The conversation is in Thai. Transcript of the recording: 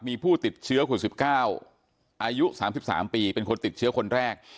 มีผู้ติดเชื้อคน๑๙อายุ๓๓ปีเป็นคนติดเชื้อคนแรก